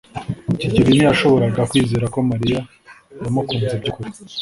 Kigeri ntiyashoboraga kwizera ko Mariya yamukunze by'ukuri.